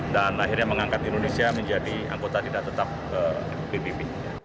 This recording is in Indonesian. dan akhirnya mengangkat indonesia menjadi anggota tidak tetap pbb